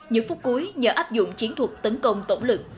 những phút cuối nhờ áp dụng chiến thuật tấn công tổng lực